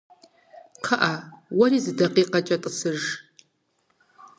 КхъыӀэ, уэри зы дакъикъэкӀэ тӀысыж.